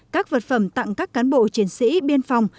các vật phẩm tặng các cán bộ chiến sĩ biên phòng